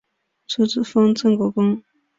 初封镇国公。